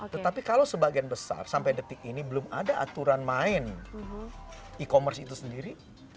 tetapi kalau sebagian besar sampai detik ini belum ada aturan main e commerce itu sendiri